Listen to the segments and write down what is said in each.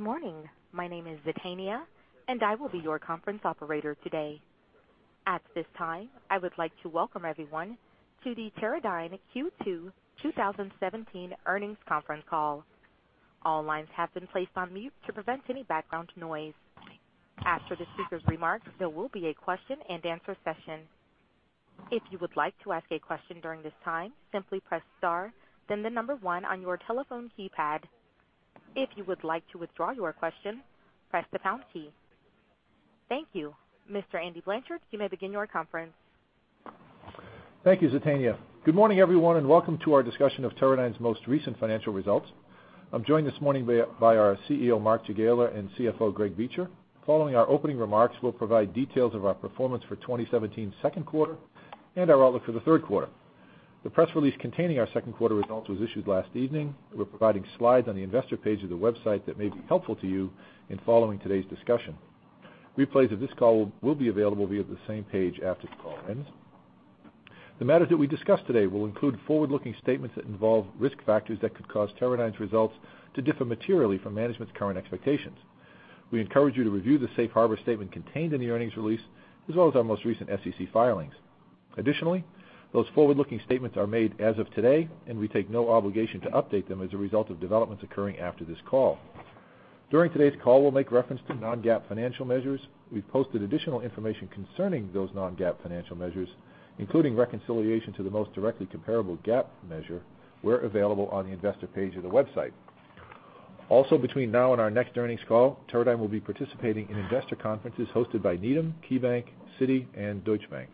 Good morning. My name is Zetania, and I will be your conference operator today. At this time, I would like to welcome everyone to the Teradyne Q2 2017 earnings conference call. All lines have been placed on mute to prevent any background noise. After the speaker's remarks, there will be a question-and-answer session. If you would like to ask a question during this time, simply press star, then the number 1 on your telephone keypad. If you would like to withdraw your question, press the pound key. Thank you. Mr. Andy Blanchard, you may begin your conference. Thank you, Zetania. Good morning, everyone, and welcome to our discussion of Teradyne's most recent financial results. I am joined this morning by our CEO, Mark Jagiela, and CFO, Greg Beecher. Following our opening remarks, we will provide details of our performance for 2017's second quarter and our outlook for the third quarter. The press release containing our second quarter results was issued last evening. We are providing slides on the investor page of the website that may be helpful to you in following today's discussion. Replays of this call will be available via the same page after the call ends. The matters that we discuss today will include forward-looking statements that involve risk factors that could cause Teradyne's results to differ materially from management's current expectations. We encourage you to review the safe harbor statement contained in the earnings release, as well as our most recent SEC filings. Those forward-looking statements are made as of today, and we take no obligation to update them as a result of developments occurring after this call. During today's call, we will make reference to non-GAAP financial measures. We have posted additional information concerning those non-GAAP financial measures, including reconciliation to the most directly comparable GAAP measure, where available on the investor page of the website. Also, between now and our next earnings call, Teradyne will be participating in investor conferences hosted by Needham, KeyBank, Citi, and Deutsche Bank.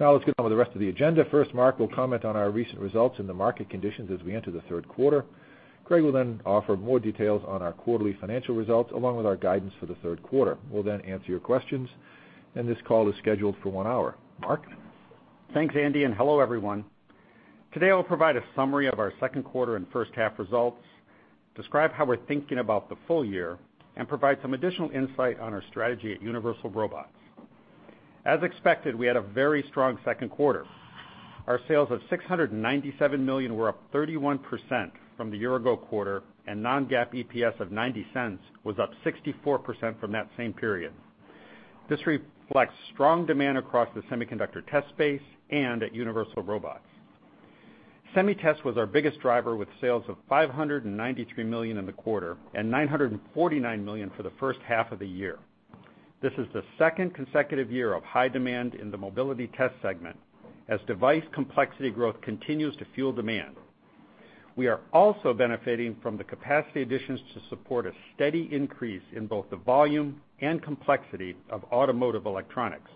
Now let's get on with the rest of the agenda. First, Mark will comment on our recent results and the market conditions as we enter the third quarter. Greg will then offer more details on our quarterly financial results, along with our guidance for the third quarter. We will then answer your questions, and this call is scheduled for one hour. Mark? Thanks, Andy, and hello, everyone. Today I will provide a summary of our second quarter and first half results, describe how we are thinking about the full year, and provide some additional insight on our strategy at Universal Robots. As expected, we had a very strong second quarter. Our sales of $697 million were up 31% from the year ago quarter, and non-GAAP EPS of $0.90 was up 64% from that same period. This reflects strong demand across the semiconductor test space and at Universal Robots. Semi test was our biggest driver, with sales of $593 million in the quarter and $949 million for the first half of the year. This is the second consecutive year of high demand in the mobility test segment as device complexity growth continues to fuel demand. We are also benefiting from the capacity additions to support a steady increase in both the volume and complexity of automotive electronics.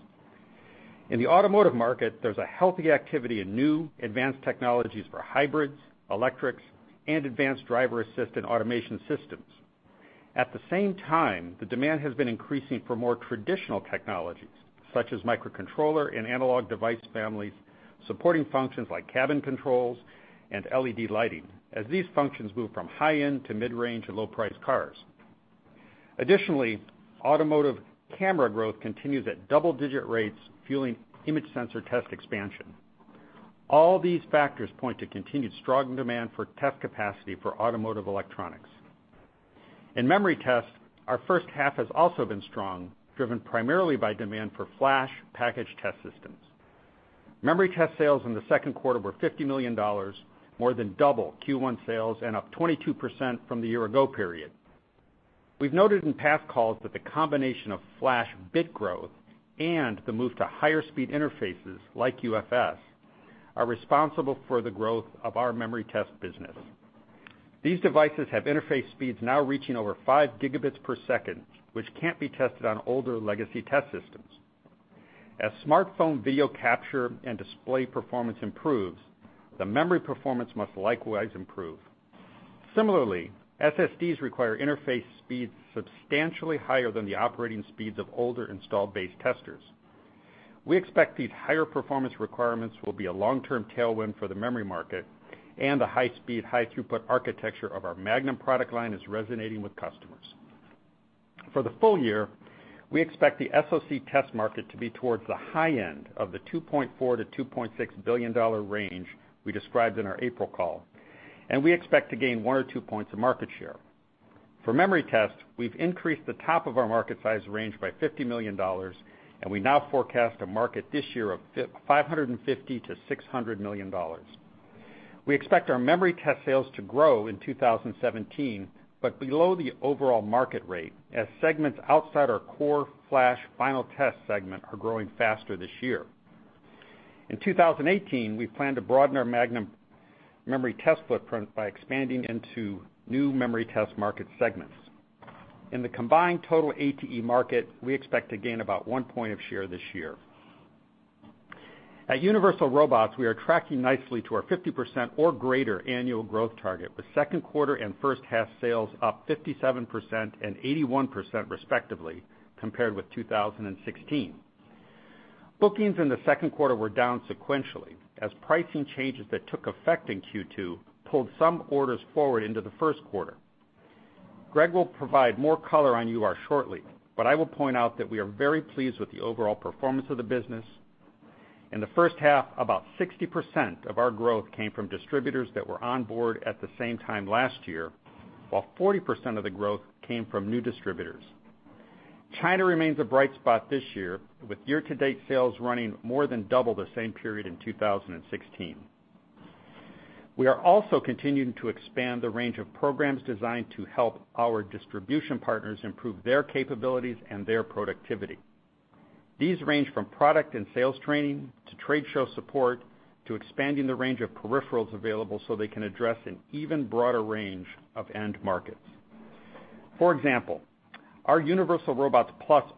In the automotive market, there's a healthy activity in new advanced technologies for hybrids, electrics, and advanced driver assist and automation systems. At the same time, the demand has been increasing for more traditional technologies, such as microcontroller and analog device families, supporting functions like cabin controls and LED lighting, as these functions move from high-end to mid-range and low-price cars. Additionally, automotive camera growth continues at double-digit rates, fueling image sensor test expansion. All these factors point to continued strong demand for test capacity for automotive electronics. In memory test, our first half has also been strong, driven primarily by demand for flash package test systems. Memory test sales in the second quarter were $50 million, more than double Q1 sales, and up 22% from the year ago period. We've noted in past calls that the combination of flash bit growth and the move to higher speed interfaces like UFS are responsible for the growth of our memory test business. These devices have interface speeds now reaching over 5 gigabits per second, which can't be tested on older legacy test systems. As smartphone video capture and display performance improves, the memory performance must likewise improve. Similarly, SSDs require interface speeds substantially higher than the operating speeds of older installed base testers. We expect these higher performance requirements will be a long-term tailwind for the memory market, and the high-speed, high-throughput architecture of our Magnum product line is resonating with customers. For the full year, we expect the SoC test market to be towards the high end of the $2.4 billion-$2.6 billion range we described in our April call. We expect to gain one or two points of market share. For memory test, we've increased the top of our market size range by $50 million. We now forecast a market this year of $550 million-$600 million. We expect our memory test sales to grow in 2017, below the overall market rate as segments outside our core flash final test segment are growing faster this year. In 2018, we plan to broaden our Magnum memory test footprint by expanding into new memory test market segments. In the combined total ATE market, we expect to gain about one point of share this year. At Universal Robots, we are tracking nicely to our 50% or greater annual growth target, with second quarter and first half sales up 57% and 81% respectively compared with 2016. Bookings in the second quarter were down sequentially as pricing changes that took effect in Q2 pulled some orders forward into the first quarter. Greg will provide more color on UR shortly. I will point out that we are very pleased with the overall performance of the business. In the first half, about 60% of our growth came from distributors that were on board at the same time last year, while 40% of the growth came from new distributors. China remains a bright spot this year, with year-to-date sales running more than double the same period in 2016. We are also continuing to expand the range of programs designed to help our distribution partners improve their capabilities and their productivity. These range from product and sales training, to trade show support, to expanding the range of peripherals available so they can address an even broader range of end markets. For example, our Universal Robots+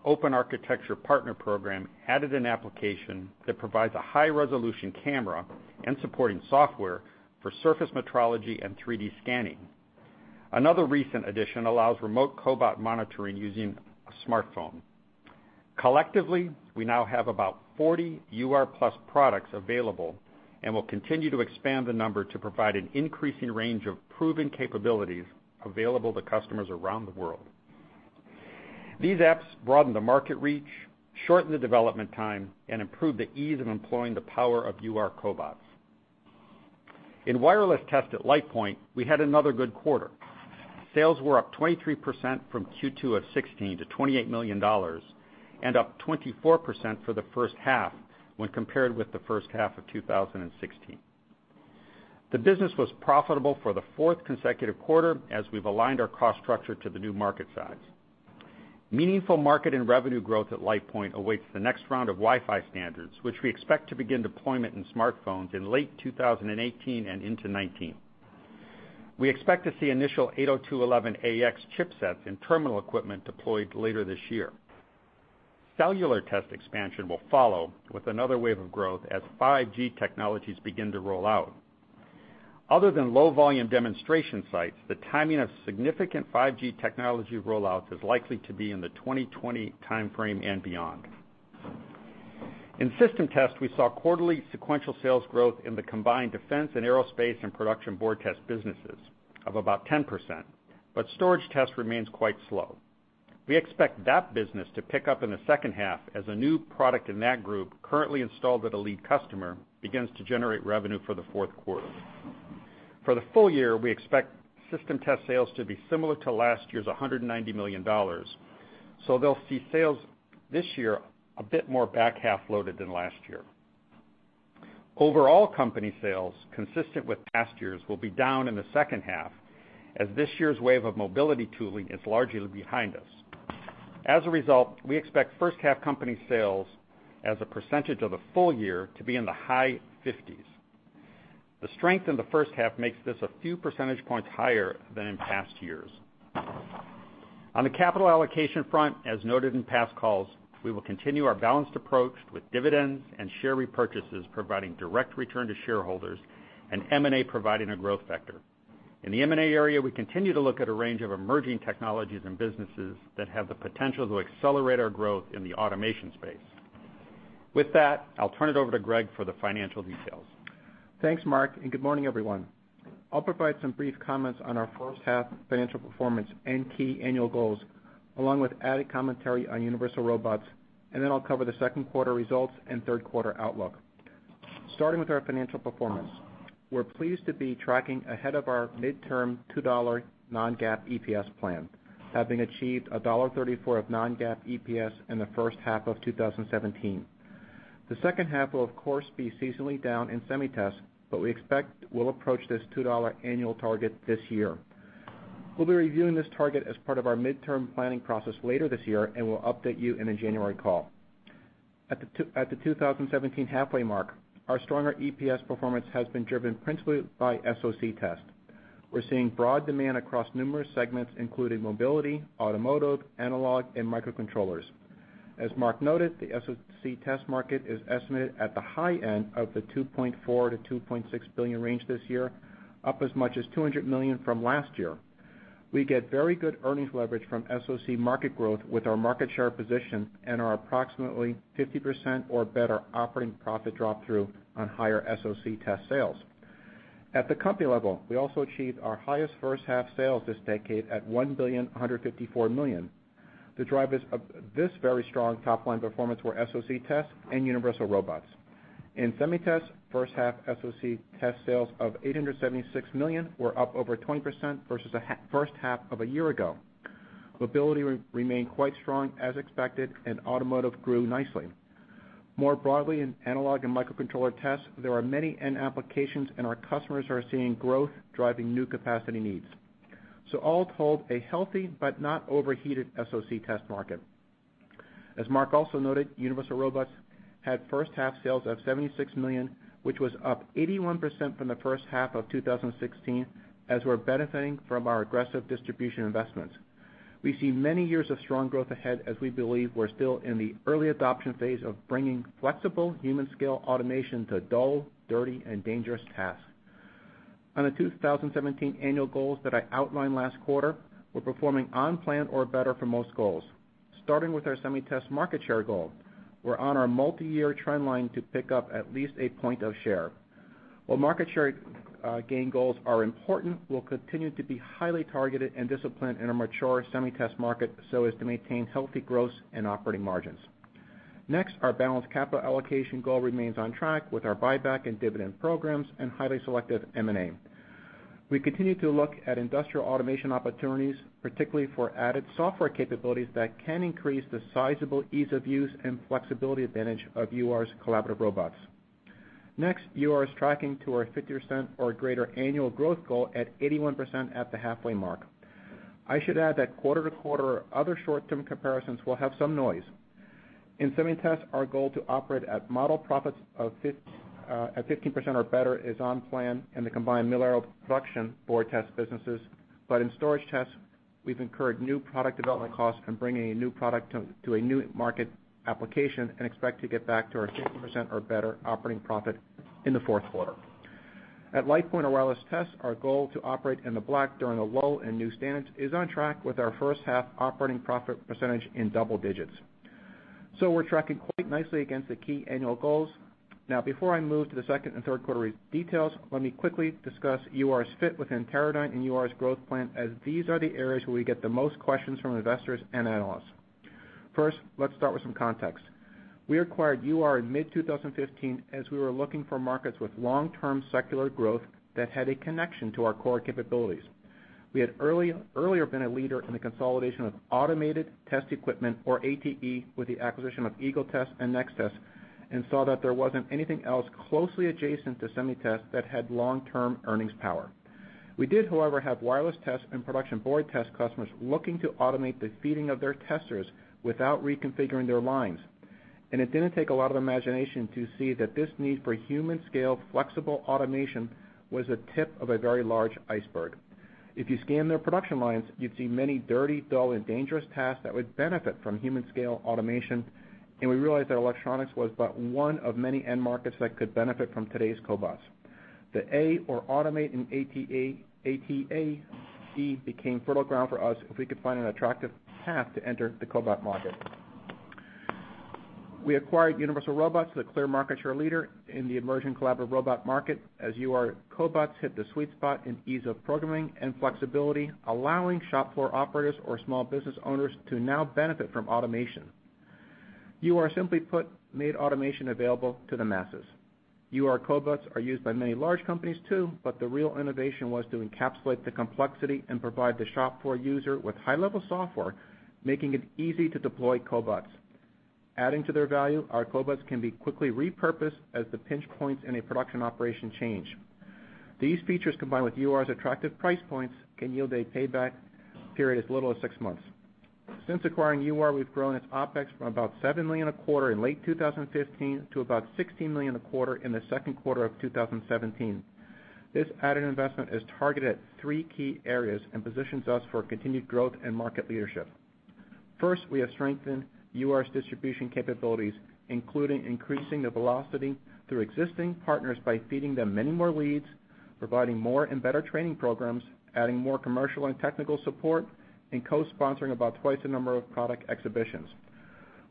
open architecture partner program added an application that provides a high-resolution camera and supporting software for surface metrology and 3D scanning. Another recent addition allows remote cobot monitoring using a smartphone. Collectively, we now have about 40 UR+ products available and will continue to expand the number to provide an increasing range of proven capabilities available to customers around the world. These apps broaden the market reach, shorten the development time, and improve the ease of employing the power of UR cobots. In wireless test at LitePoint, we had another good quarter. Sales were up 23% from Q2 of 2016 to $28 million, and up 24% for the first half when compared with the first half of 2016. The business was profitable for the fourth consecutive quarter, as we've aligned our cost structure to the new market size. Meaningful market and revenue growth at LitePoint awaits the next round of Wi-Fi standards, which we expect to begin deployment in smartphones in late 2018 and into 2019. We expect to see initial 802.11ax chipsets and terminal equipment deployed later this year. Cellular test expansion will follow with another wave of growth as 5G technologies begin to roll out. Other than low-volume demonstration sites, the timing of significant 5G technology rollouts is likely to be in the 2020 timeframe and beyond. In System Test, we saw quarterly sequential sales growth in the combined defense and aerospace and production board test businesses of about 10%, but storage test remains quite slow. We expect that business to pick up in the second half as a new product in that group, currently installed at a lead customer, begins to generate revenue for the fourth quarter. For the full year, we expect System Test sales to be similar to last year's $190 million, so they'll see sales this year a bit more back-half loaded than last year. Overall company sales, consistent with past years, will be down in the second half, as this year's wave of mobility tooling is largely behind us. As a result, we expect first half company sales as a percentage of the full year to be in the high 50s. The strength in the first half makes this a few percentage points higher than in past years. On the capital allocation front, as noted in past calls, we will continue our balanced approach with dividends and share repurchases, providing direct return to shareholders and M&A providing a growth vector. In the M&A area, we continue to look at a range of emerging technologies and businesses that have the potential to accelerate our growth in the automation space. With that, I'll turn it over to Greg for the financial details. Thanks, Mark. Good morning, everyone. I'll provide some brief comments on our first half financial performance and key annual goals, along with added commentary on Universal Robots, and then I'll cover the second quarter results and third quarter outlook. Starting with our financial performance, we're pleased to be tracking ahead of our midterm $2 non-GAAP EPS plan, having achieved $1.34 of non-GAAP EPS in the first half of 2017. The second half will, of course, be seasonally down in SemiTest, but we expect we'll approach this $2 annual target this year. We'll be reviewing this target as part of our midterm planning process later this year, and we'll update you in a January call. At the 2017 halfway mark, our stronger EPS performance has been driven principally by SoC test. We're seeing broad demand across numerous segments, including mobility, automotive, analog, and microcontrollers. As Mark noted, the SoC test market is estimated at the high end of the $2.4 billion-$2.6 billion range this year, up as much as $200 million from last year. We get very good earnings leverage from SoC market growth with our market share position and our approximately 50% or better operating profit drop-through on higher SoC test sales. At the company level, we also achieved our highest first half sales this decade at $1.154 billion. The drivers of this very strong top-line performance were SoC test and Universal Robots. In SemiTest's first half, SoC test sales of $876 million were up over 20% versus the first half of a year ago. Mobility remained quite strong, as expected, and automotive grew nicely. More broadly, in analog and microcontroller tests, there are many end applications, and our customers are seeing growth driving new capacity needs. All told, a healthy but not overheated SoC test market. As Mark also noted, Universal Robots had first-half sales of $76 million, which was up 81% from the first half of 2016, as we're benefiting from our aggressive distribution investments. We see many years of strong growth ahead as we believe we're still in the early adoption phase of bringing flexible human skill automation to dull, dirty, and dangerous tasks. On the 2017 annual goals that I outlined last quarter, we're performing on plan or better for most goals. Starting with our SemiTest market share goal, we're on our multiyear trend line to pick up at least a point of share. While market share gain goals are important, we'll continue to be highly targeted and disciplined in a mature SemiTest market so as to maintain healthy growth and operating margins. Our balanced capital allocation goal remains on track with our buyback and dividend programs and highly selective M&A. We continue to look at industrial automation opportunities, particularly for added software capabilities that can increase the sizable ease of use and flexibility advantage of UR's collaborative robots. UR is tracking to our 50% or greater annual growth goal at 81% at the halfway mark. I should add that quarter-to-quarter or other short-term comparisons will have some noise. In SemiTest, our goal to operate at model profits at 15% or better is on plan in the combined Mil-Aero Production board test businesses. In storage test, we've incurred new product development costs in bringing a new product to a new market application and expect to get back to our 15% or better operating profit in the fourth quarter. At LitePoint or wireless test, our goal to operate in the black during a lull in new standards is on track with our first half operating profit percentage in double digits. We're tracking quite nicely against the key annual goals. Before I move to the second and third quarter details, let me quickly discuss UR's fit within Teradyne and UR's growth plan, as these are the areas where we get the most questions from investors and analysts. First, let's start with some context. We acquired UR in mid-2015 as we were looking for markets with long-term secular growth that had a connection to our core capabilities. We had earlier been a leader in the consolidation of automated test equipment, or ATE, with the acquisition of Eagle Test and Nextest, and saw that there wasn't anything else closely adjacent to semi-test that had long-term earnings power. We did, however, have wireless test and production board test customers looking to automate the feeding of their testers without reconfiguring their lines. It didn't take a lot of imagination to see that this need for human-scale flexible automation was a tip of a very large iceberg. If you scan their production lines, you'd see many dirty, dull, and dangerous tasks that would benefit from human-scale automation, and we realized that electronics was but one of many end markets that could benefit from today's cobots. The A or automate in ATE became fertile ground for us if we could find an attractive path to enter the cobot market. We acquired Universal Robots, the clear market share leader in the emerging collaborative robot market, as UR cobots hit the sweet spot in ease of programming and flexibility, allowing shop floor operators or small business owners to now benefit from automation. UR, simply put, made automation available to the masses. UR cobots are used by many large companies too, but the real innovation was to encapsulate the complexity and provide the shop floor user with high-level software, making it easy to deploy cobots. Adding to their value, our cobots can be quickly repurposed as the pinch points in a production operation change. These features, combined with UR's attractive price points, can yield a payback period as little as six months. Since acquiring UR, we've grown its OpEx from about $7 million a quarter in late 2015 to about $16 million a quarter in the second quarter of 2017. This added investment is targeted at three key areas and positions us for continued growth and market leadership. First, we have strengthened UR's distribution capabilities, including increasing the velocity through existing partners by feeding them many more leads, providing more and better training programs, adding more commercial and technical support, and co-sponsoring about twice the number of product exhibitions.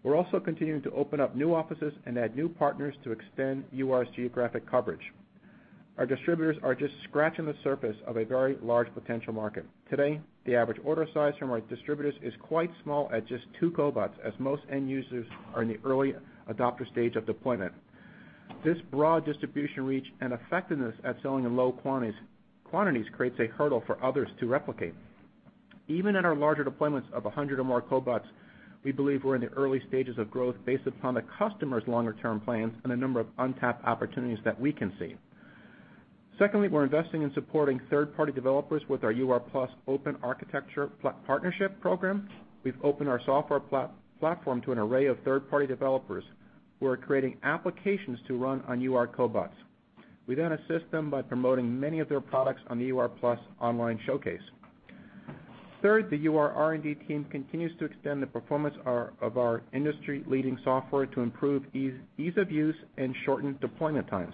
We're also continuing to open up new offices and add new partners to extend UR's geographic coverage. Our distributors are just scratching the surface of a very large potential market. Today, the average order size from our distributors is quite small at just two cobots, as most end users are in the early adopter stage of deployment. This broad distribution reach and effectiveness at selling in low quantities creates a hurdle for others to replicate. Even in our larger deployments of 100 or more cobots, we believe we're in the early stages of growth based upon the customer's longer-term plans and a number of untapped opportunities that we can see. We're investing in supporting third-party developers with our UR+ open architecture partnership program. We've opened our software platform to an array of third-party developers who are creating applications to run on UR cobots. We assist them by promoting many of their products on the UR+ online showcase. The UR R&D team continues to extend the performance of our industry-leading software to improve ease of use and shortened deployment times.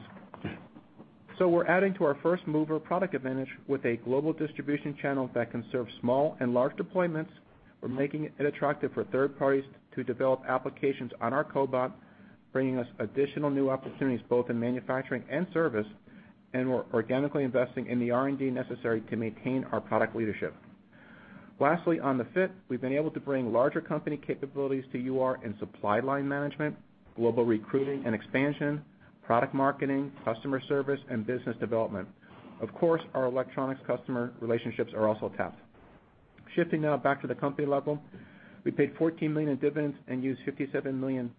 We're adding to our first-mover product advantage with a global distribution channel that can serve small and large deployments. We're making it attractive for third parties to develop applications on our cobot, bringing us additional new opportunities both in manufacturing and service, and we're organically investing in the R&D necessary to maintain our product leadership. On the fit, we've been able to bring larger company capabilities to UR in supply line management, global recruiting and expansion, product marketing, customer service, and business development. Of course, our electronics customer relationships are also tapped. Shifting now back to the company level, we paid $14 million in dividends and used $57 million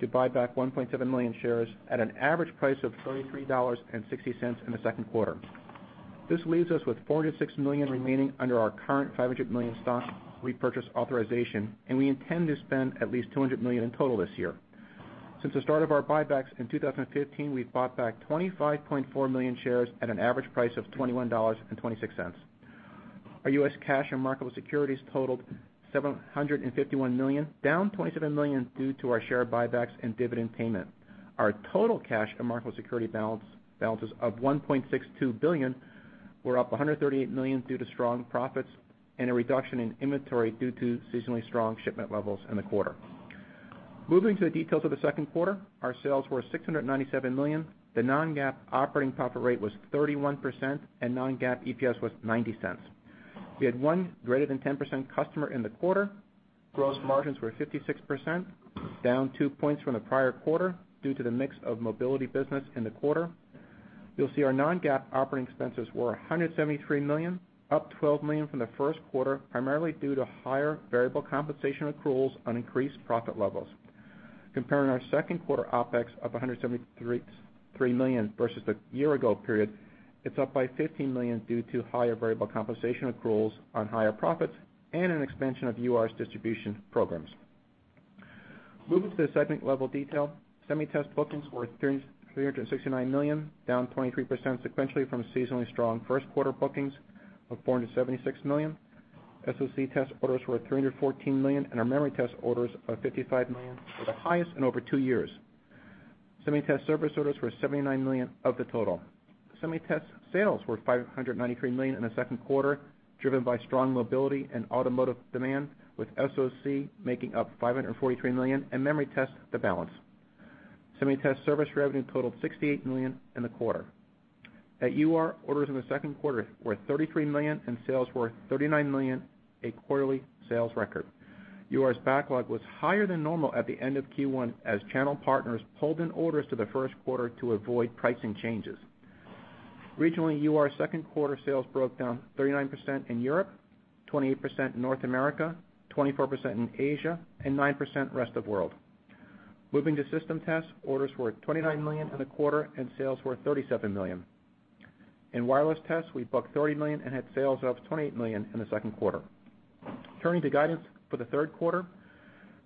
to buy back 1.7 million shares at an average price of $33.60 in the second quarter. This leaves us with $406 million remaining under our current $500 million stock repurchase authorization, and we intend to spend at least $200 million in total this year. Since the start of our buybacks in 2015, we've bought back 25.4 million shares at an average price of $21.26. Our U.S. cash and marketable securities totaled $751 million, down $27 million due to our share buybacks and dividend payment. Our total cash and marketable security balances of $1.62 billion were up $138 million due to strong profits and a reduction in inventory due to seasonally strong shipment levels in the quarter. Moving to the details of the second quarter, our sales were $697 million. The non-GAAP operating profit rate was 31%, and non-GAAP EPS was $0.90. We had one greater than 10% customer in the quarter. Gross margins were 56%, down two points from the prior quarter due to the mix of mobility business in the quarter. You'll see our non-GAAP operating expenses were $173 million, up $12 million from the first quarter, primarily due to higher variable compensation accruals on increased profit levels. Comparing our second quarter OpEx of $173 million versus the year-ago period, it's up by $15 million due to higher variable compensation accruals on higher profits and an expansion of UR's distribution programs. Moving to the segment level detail, SemiTest bookings were $369 million, down 23% sequentially from seasonally strong first quarter bookings of $476 million. SoC Test orders were $314 million, and our Memory Test orders of $55 million were the highest in over two years. SemiTest service orders were $79 million of the total. SemiTest sales were $593 million in the second quarter, driven by strong mobility and automotive demand, with SoC making up $543 million and Memory Test the balance. SemiTest service revenue totaled $68 million in the quarter. At UR, orders in the second quarter were $33 million and sales were $39 million, a quarterly sales record. UR's backlog was higher than normal at the end of Q1 as channel partners pulled in orders to the first quarter to avoid pricing changes. Regionally, UR's second quarter sales broke down 39% in Europe, 28% in North America, 24% in Asia, and 9% rest of world. Moving to System Test, orders were at $29 million in the quarter and sales were $37 million. In Wireless Test, we booked $30 million and had sales of $28 million in the second quarter. Turning to guidance for the third quarter,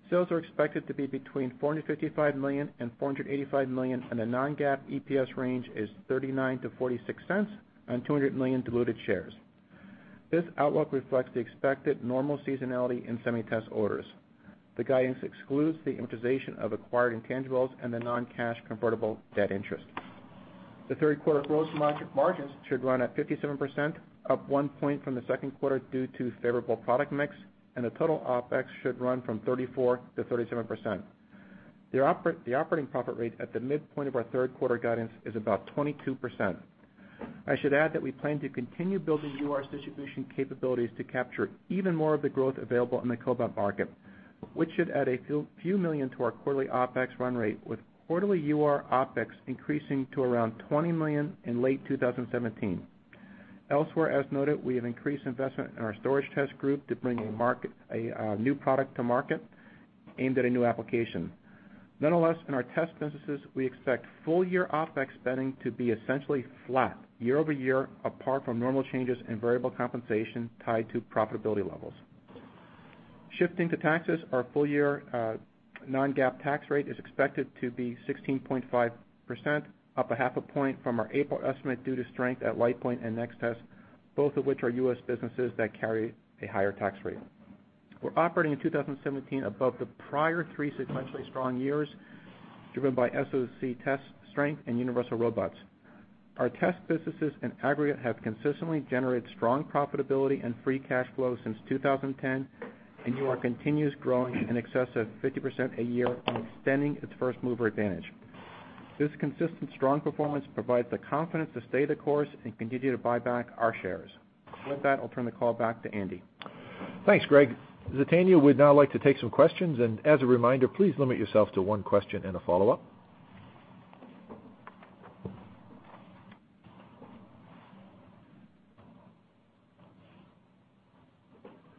sales are expected to be between $455 million and $485 million, and the non-GAAP EPS range is $0.39 to $0.46 on 200 million diluted shares. This outlook reflects the expected normal seasonality in SemiTest orders. The guidance excludes the amortization of acquired intangibles and the non-cash convertible debt interest. The third quarter gross margins should run at 57%, up one point from the second quarter due to favorable product mix, the total OpEx should run from 34%-37%. The operating profit rate at the midpoint of our third quarter guidance is about 22%. I should add that we plan to continue building UR's distribution capabilities to capture even more of the growth available in the cobot market, which should add a few million to our quarterly OpEx run rate, with quarterly UR OpEx increasing to around $20 million in late 2017. Elsewhere, as noted, we have increased investment in our storage test group to bring a new product to market aimed at a new application. In our test businesses, we expect full-year OpEx spending to be essentially flat year-over-year, apart from normal changes in variable compensation tied to profitability levels. Shifting to taxes, our full-year non-GAAP tax rate is expected to be 16.5%, up a half a point from our April estimate due to strength at LitePoint and Nextest, both of which are U.S. businesses that carry a higher tax rate. We're operating in 2017 above the prior three sequentially strong years, driven by SoC test strength and Universal Robots. Our test businesses in aggregate have consistently generated strong profitability and free cash flow since 2010, and UR continues growing in excess of 50% a year and extending its first-mover advantage. This consistent strong performance provides the confidence to stay the course and continue to buy back our shares. With that, I'll turn the call back to Andy. Thanks, Greg. Zetania would now like to take some questions, as a reminder, please limit yourself to one question and a follow-up.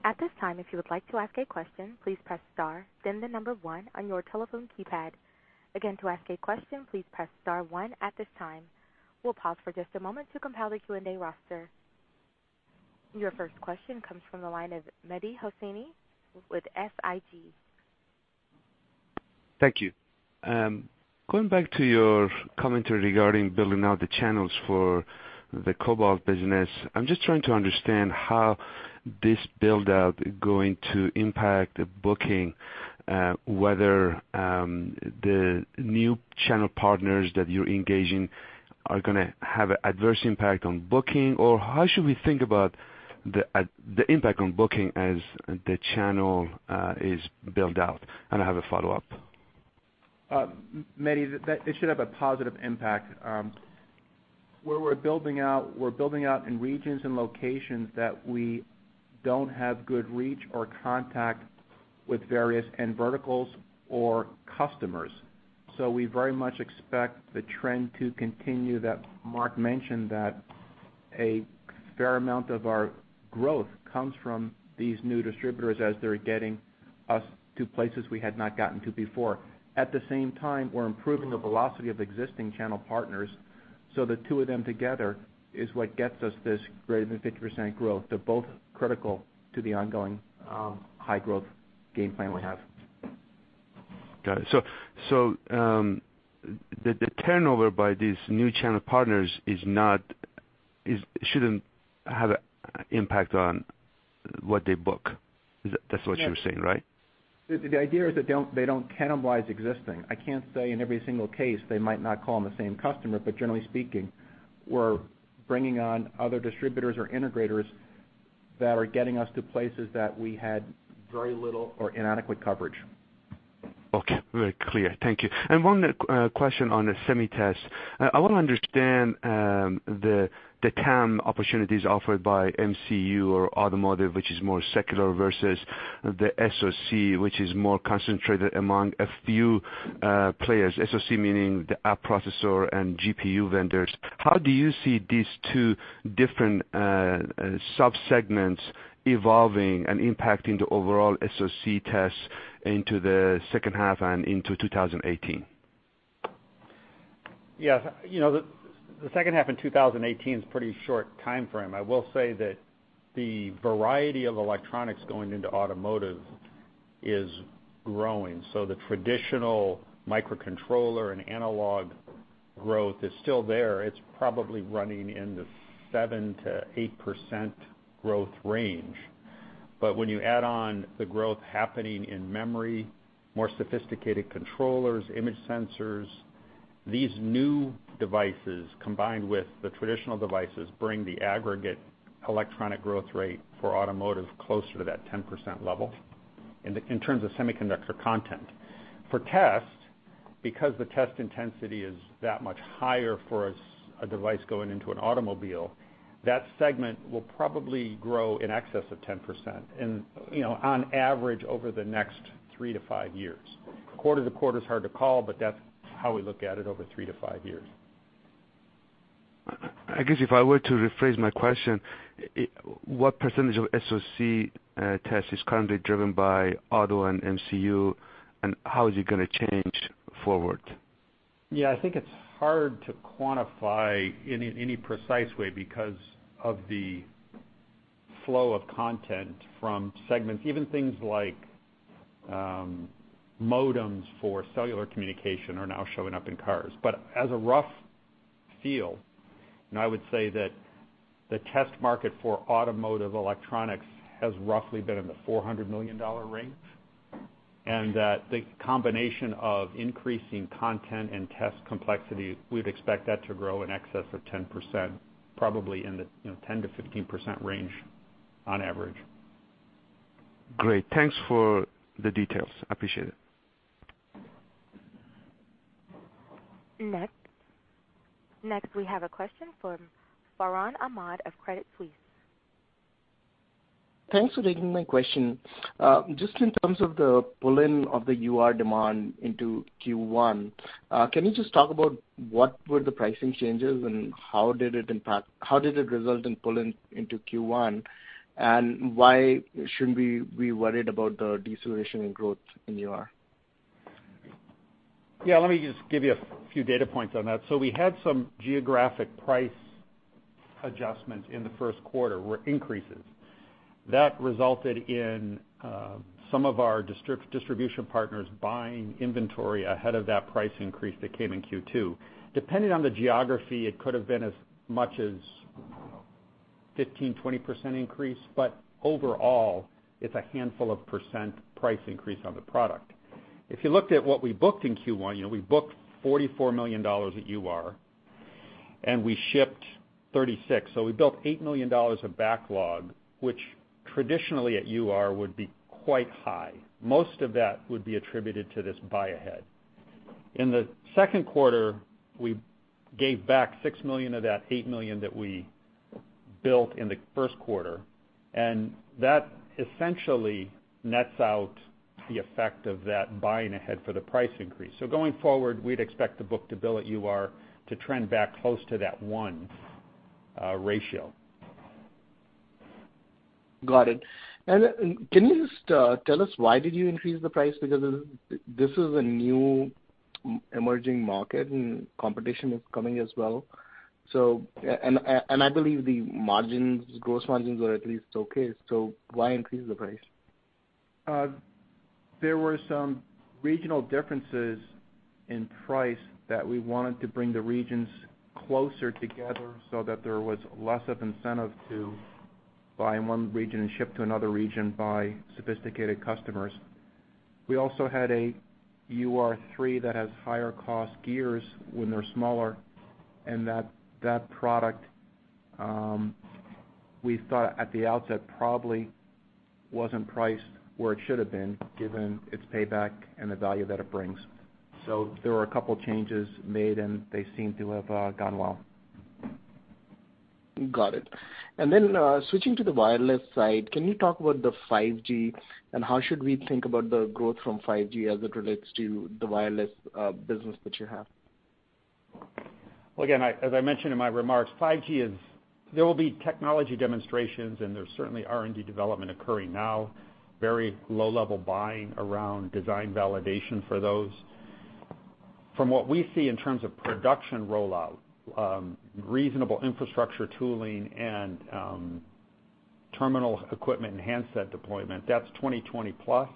At this time, if you would like to ask a question, please press star, then the number one on your telephone keypad. Again, to ask a question, please press star one at this time. We'll pause for just a moment to compile the Q&A roster. Your first question comes from the line of Mehdi Hosseini with SIG. Thank you. Going back to your commentary regarding building out the channels for the cobot business, I'm just trying to understand how this build-out going to impact the booking, whether the new channel partners that you're engaging are going to have an adverse impact on booking, or how should we think about the impact on booking as the channel is built out? I have a follow-up. Mehdi, it should have a positive impact. Where we're building out, we're building out in regions and locations that we don't have good reach or contact with various end verticals or customers. We very much expect the trend to continue, that Mark mentioned that a fair amount of our growth comes from these new distributors as they're getting us to places we had not gotten to before. At the same time, we're improving the velocity of existing channel partners, the two of them together is what gets us this greater than 50% growth. They're both critical to the ongoing high growth game plan we have. Got it. The turnover by these new channel partners shouldn't have an impact on what they book. That's what you're saying, right? The idea is that they don't cannibalize existing. I can't say in every single case, they might not call on the same customer, generally speaking, we're bringing on other distributors or integrators That are getting us to places that we had very little or inadequate coverage. Okay. Very clear. Thank you. One question on the semi test. I want to understand the TAM opportunities offered by MCU or automotive, which is more secular versus the SoC, which is more concentrated among a few players. SoC meaning the app processor and GPU vendors. How do you see these two different sub-segments evolving and impacting the overall SoC tests into the second half and into 2018? Yes. The second half in 2018 is pretty short timeframe. I will say that the variety of electronics going into automotive is growing. The traditional microcontroller and analog growth is still there. It's probably running in the 7%-8% growth range. When you add on the growth happening in memory, more sophisticated controllers, image sensors, these new devices, combined with the traditional devices, bring the aggregate electronic growth rate for automotive closer to that 10% level, in terms of semiconductor content. For test, because the test intensity is that much higher for a device going into an automobile, that segment will probably grow in excess of 10%, on average, over the next three to five years. Quarter-to-quarter is hard to call, but that's how we look at it over three to five years. I guess if I were to rephrase my question, what percentage of SoC test is currently driven by auto and MCU, and how is it going to change forward? Yeah, I think it's hard to quantify in any precise way because of the flow of content from segments. Even things like modems for cellular communication are now showing up in cars. As a rough feel, I would say that the test market for automotive electronics has roughly been in the $400 million range, and that the combination of increasing content and test complexity, we'd expect that to grow in excess of 10%, probably in the 10%-15% range on average. Great. Thanks for the details. Appreciate it. Next, we have a question from Farhan Ahmad of Credit Suisse. Thanks for taking my question. Just in terms of the pull-in of the UR demand into Q1, can you just talk about what were the pricing changes and how did it result in pull-in into Q1? Why shouldn't we be worried about the deceleration in growth in UR? Yeah. Let me just give you a few data points on that. We had some geographic price adjustments in the first quarter, were increases. That resulted in some of our distribution partners buying inventory ahead of that price increase that came in Q2. Depending on the geography, it could have been as much as 15%-20% increase, but overall, it's a handful of percent price increase on the product. If you looked at what we booked in Q1, we booked $44 million at UR, and we shipped $36 million. We built $8 million of backlog, which traditionally at UR would be quite high. Most of that would be attributed to this buy-ahead. In the second quarter, we gave back $6 million of that $8 million that we built in the first quarter, and that essentially nets out the effect of that buying ahead for the price increase. Going forward, we'd expect the book-to-bill at UR to trend back close to that one ratio. Got it. Can you just tell us why did you increase the price? This is a new emerging market and competition is coming as well. I believe the gross margins were at least okay, why increase the price? There were some regional differences in price that we wanted to bring the regions closer together so that there was less of incentive to buy in one region and ship to another region by sophisticated customers. We also had a UR3 that has higher cost gears when they're smaller, and that product, we thought at the outset, probably wasn't priced where it should have been, given its payback and the value that it brings. There were a couple changes made, and they seem to have gone well. Got it. Then, switching to the wireless side, can you talk about the 5G, how should we think about the growth from 5G as it relates to the wireless business that you have? Well, again, as I mentioned in my remarks, 5G, there will be technology demonstrations, and there's certainly R&D development occurring now. Very low-level buying around design validation for those. From what we see in terms of production rollout, reasonable infrastructure tooling and terminal equipment and handset deployment, that's 2020 plus.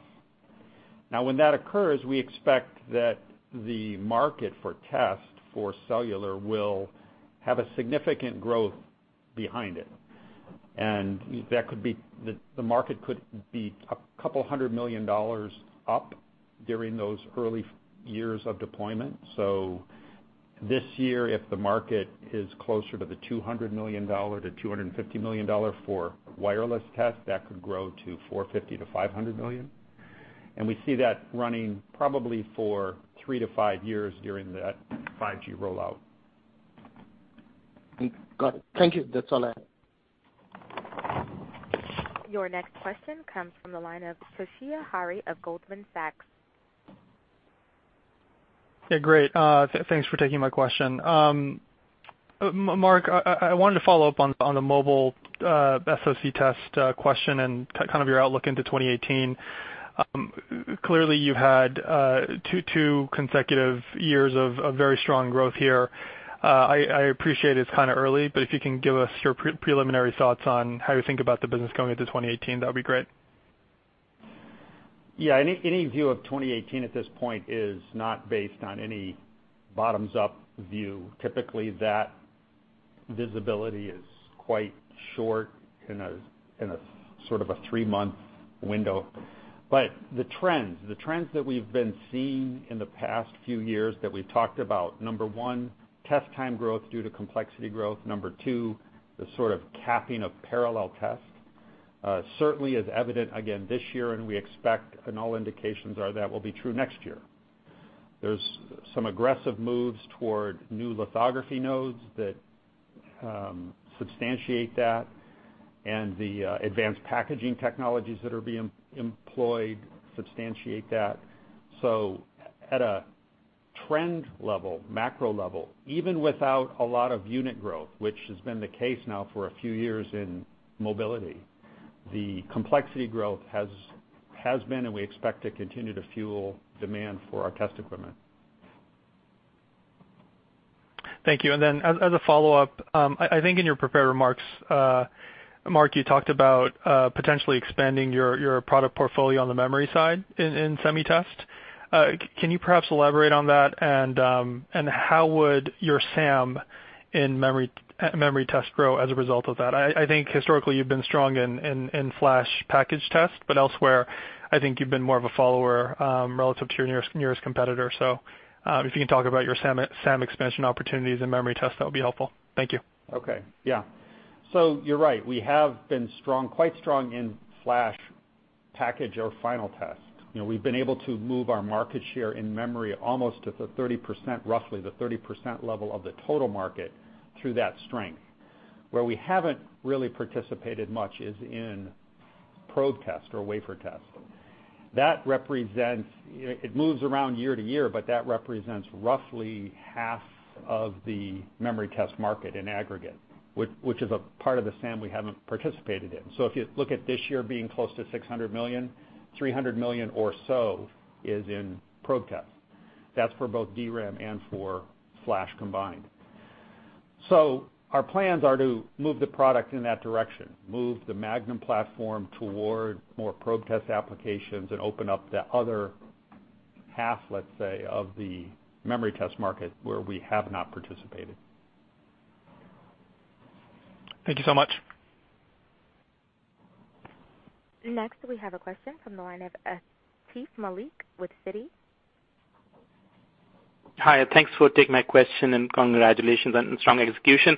Now, when that occurs, we expect that the market for test for cellular will have a significant growth behind it. The market could be a couple hundred million dollars up during those early years of deployment. This year, if the market is closer to the $200 million-$250 million for wireless test, that could grow to $450 million-$500 million. We see that running probably for three to five years during that 5G rollout. Got it. Thank you. That's all I have. Your next question comes from the line of Toshiya Hari of Goldman Sachs. Great. Thanks for taking my question. Mark, I wanted to follow up on the mobile SoC test question and kind of your outlook into 2018. Clearly you had two consecutive years of very strong growth here. I appreciate it's kind of early, if you can give us your preliminary thoughts on how you think about the business going into 2018, that would be great. Yeah. Any view of 2018 at this point is not based on any bottoms-up view. Typically, that visibility is quite short in a sort of a three-month window. The trends that we've been seeing in the past few years that we've talked about, number one, test time growth due to complexity growth. Number two, the sort of capping of parallel test, certainly is evident again this year, and we expect, all indications are that will be true next year. There's some aggressive moves toward new lithography nodes that substantiate that, the advanced packaging technologies that are being employed substantiate that. At a trend level, macro level, even without a lot of unit growth, which has been the case now for a few years in mobility, the complexity growth has been, we expect to continue to fuel demand for our test equipment. Thank you. Then, as a follow-up, I think in your prepared remarks, Mark, you talked about potentially expanding your product portfolio on the memory side in Semi Test. Can you perhaps elaborate on that? How would your SAM in memory test grow as a result of that? I think historically you've been strong in flash package test, but elsewhere, I think you've been more of a follower, relative to your nearest competitor. If you can talk about your SAM expansion opportunities in memory test, that would be helpful. Thank you. Okay. Yeah. You're right, we have been quite strong in flash package or final test. We've been able to move our market share in memory almost to roughly the 30% level of the total market through that strength. Where we haven't really participated much is in probe test or wafer test. It moves around year to year, but that represents roughly half of the memory test market in aggregate, which is a part of the SAM we haven't participated in. If you look at this year being close to $600 million, $300 million or so is in probe test. That's for both DRAM and for flash combined. Our plans are to move the product in that direction, move the Magnum platform toward more probe test applications and open up the other half, let's say, of the memory test market where we have not participated. Thank you so much. Next we have a question from the line of Atif Malik with Citi. Hi, thanks for taking my question and congratulations on strong execution.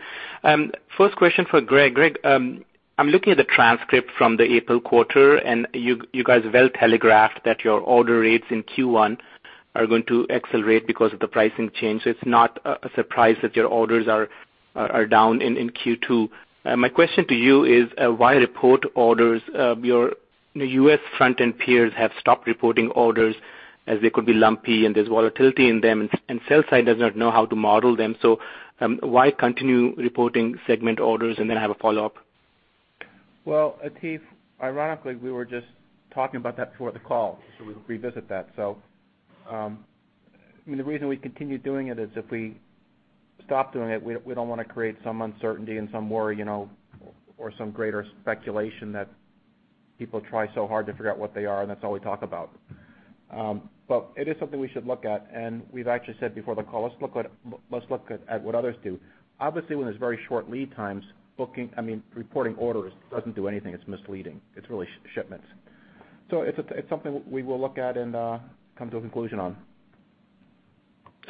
First question for Greg. Greg, I'm looking at the transcript from the April quarter, and you guys well telegraphed that your order rates in Q1 are going to accelerate because of the pricing change. It's not a surprise that your orders are down in Q2. My question to you is, why report orders? Your U.S. front-end peers have stopped reporting orders as they could be lumpy, and there's volatility in them, and sell side does not know how to model them. Why continue reporting segment orders, and then I have a follow-up. Well, Atif, ironically, we were just talking about that before the call, so we'll revisit that. The reason we continue doing it is if we stop doing it, we don't want to create some uncertainty and some worry, or some greater speculation that people try so hard to figure out what they are, and that's all we talk about. It is something we should look at, and we've actually said before the call, "Let's look at what others do." Obviously, when there's very short lead times, reporting orders doesn't do anything. It's misleading. It's really shipments. It's something we will look at and come to a conclusion on.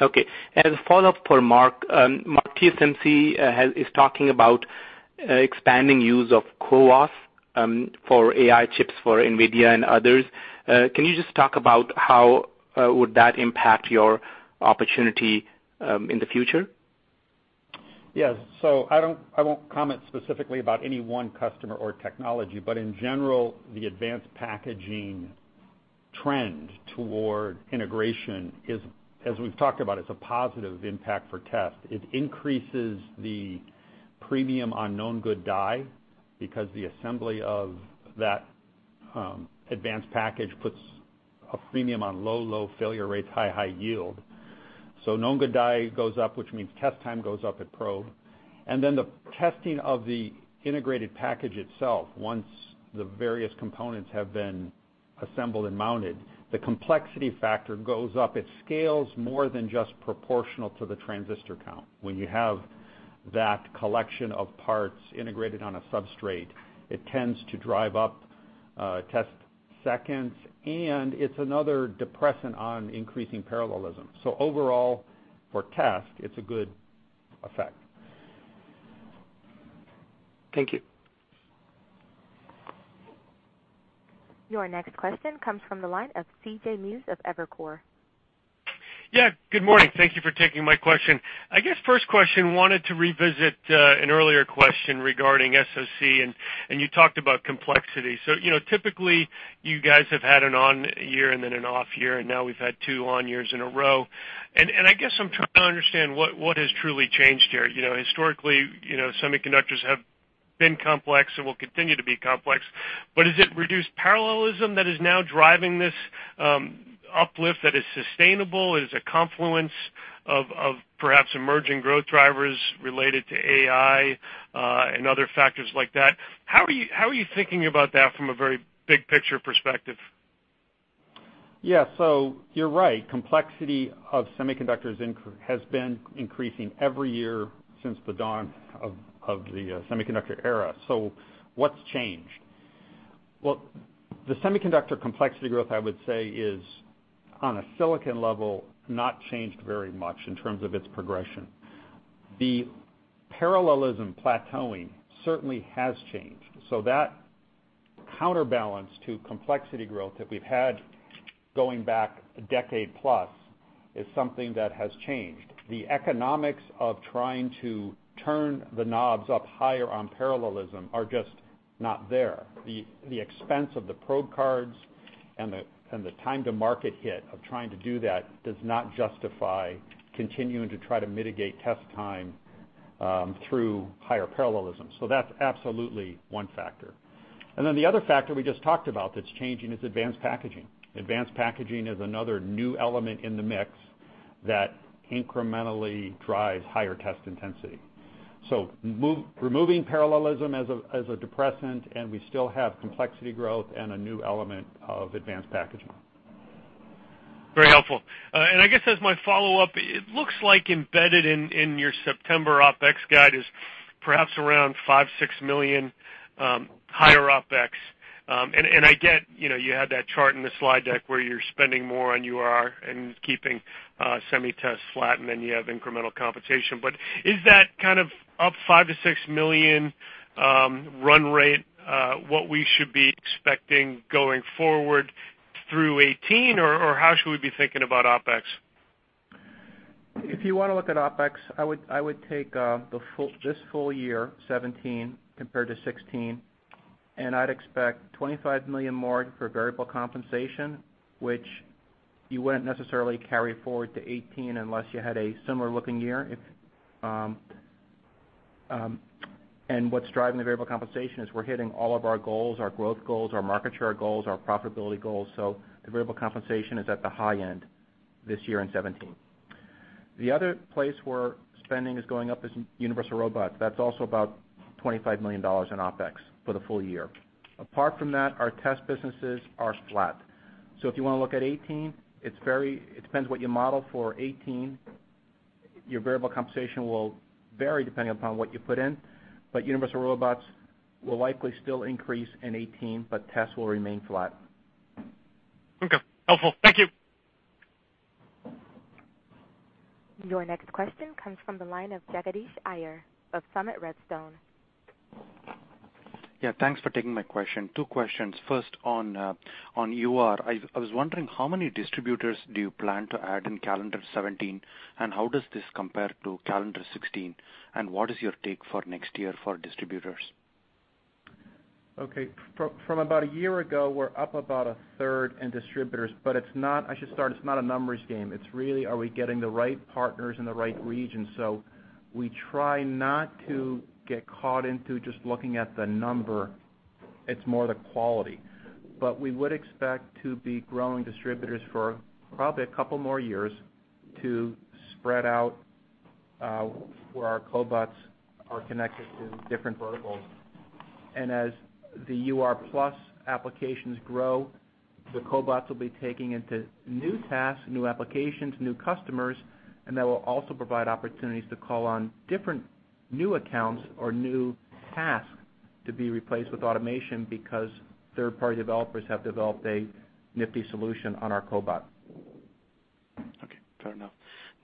Okay. As a follow-up for Mark. Mark, TSMC is talking about expanding use of CoWoS for AI chips for NVIDIA and others. Can you just talk about how would that impact your opportunity in the future? Yes. I won't comment specifically about any one customer or technology, but in general, the advanced packaging trend toward integration is, as we've talked about, it's a positive impact for test. It increases the premium on known good die, because the assembly of that advanced package puts a premium on low failure rates, high yield. Known good die goes up, which means test time goes up at probe. The testing of the integrated package itself, once the various components have been assembled and mounted, the complexity factor goes up. It scales more than just proportional to the transistor count. When you have that collection of parts integrated on a substrate, it tends to drive up test seconds, and it's another depressant on increasing parallelism. Overall for test, it's a good effect. Thank you. Your next question comes from the line of C.J. Muse of Evercore. Good morning. Thank you for taking my question. First question, wanted to revisit an earlier question regarding SoC, and you talked about complexity. Typically, you guys have had an on year and then an off year, and now we've had two on years in a row. I'm trying to understand what has truly changed here. Historically, semiconductors have been complex and will continue to be complex, but is it reduced parallelism that is now driving this uplift that is sustainable? Is it a confluence of perhaps emerging growth drivers related to AI, and other factors like that? How are you thinking about that from a very big-picture perspective? You're right. Complexity of semiconductors has been increasing every year since the dawn of the semiconductor era. What's changed? The semiconductor complexity growth, I would say, is on a silicon level, not changed very much in terms of its progression. The parallelism plateauing certainly has changed. That counterbalance to complexity growth that we've had going back a decade plus is something that has changed. The economics of trying to turn the knobs up higher on parallelism are just not there. The expense of the probe cards and the time-to-market hit of trying to do that does not justify continuing to try to mitigate test time through higher parallelism. That's absolutely one factor. Then the other factor we just talked about that's changing is advanced packaging. Advanced packaging is another new element in the mix that incrementally drives higher test intensity. Removing parallelism as a depressant, we still have complexity growth and a new element of advanced packaging. Very helpful. As my follow-up, it looks like embedded in your September OpEx guide is perhaps around $5 million-$6 million higher OpEx. I get you had that chart in the slide deck where you're spending more on UR and keeping SemiTest flat, and then you have incremental compensation. Is that kind of up $5 million-$6 million run rate, what we should be expecting going forward through 2018, or how should we be thinking about OpEx? If you want to look at OpEx, I would take this full year 2017 compared to 2016, I'd expect $25 million more for variable compensation, which you wouldn't necessarily carry forward to 2018 unless you had a similar-looking year. What's driving the variable compensation is we're hitting all of our goals, our growth goals, our market share goals, our profitability goals. The variable compensation is at the high end this year in 2017. The other place where spending is going up is Universal Robots. That's also about $25 million in OpEx for the full year. Apart from that, our test businesses are flat. If you want to look at 2018, it depends what you model for 2018. Your variable compensation will vary depending upon what you put in. Universal Robots will likely still increase in 2018, but tests will remain flat. Okay. Helpful. Thank you. Your next question comes from the line of Jagadish Iyer of Summit Redstone. Yeah, thanks for taking my question. Two questions. First, on UR. I was wondering how many distributors do you plan to add in calendar 2017, and how does this compare to calendar 2016? What is your take for next year for distributors? Okay. From about a year ago, we're up about a third in distributors, I should start, it's not a numbers game. It's really, are we getting the right partners in the right region? We try not to get caught into just looking at the number. It's more the quality. We would expect to be growing distributors for probably a couple more years to spread out where our cobots are connected to different verticals. As the UR+ applications grow, the cobots will be taking into new tasks, new applications, new customers, and that will also provide opportunities to call on different new accounts or new tasks to be replaced with automation because third-party developers have developed a nifty solution on our cobot. Okay, fair enough.